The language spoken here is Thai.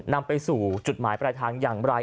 นำไปสู่จุดหมายปลายทางอย่างไร